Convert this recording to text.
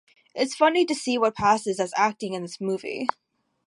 It's funny to see what passes as acting in this movie.